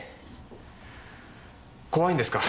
怖いんですか。